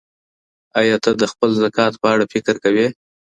آیا ته د خپل زکات په اړه فکر کوې؟